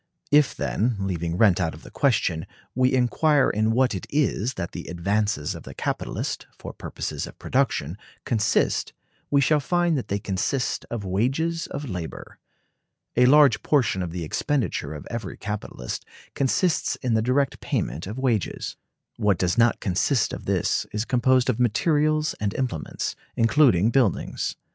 If, then, leaving rent out of the question, we inquire in what it is that the advances of the capitalist, for purposes of production, consist, we shall find that they consist of wages of labor. A large portion of the expenditure of every capitalist consists in the direct payment of wages. What does not consist of this is composed of materials and implements, including buildings.